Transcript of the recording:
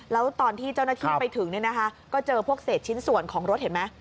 แล้วตอนที่เจ้าหน้าที่ไปถึงก็เจอพวกเศษชิ้นส่วนของรถเห็นไหม